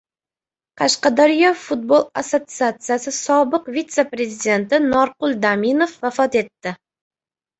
Qashqadaryo futbol assosiasiyasi sobiq vise-prezidenti Norqul Daminov vafot etdi